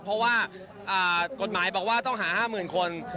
เพราะว่ากฎหมายบอกว่าต้องหา๕๐๐๐คน